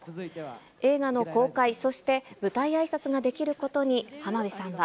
映画の公開、そして舞台あいさつができることに浜辺さんは。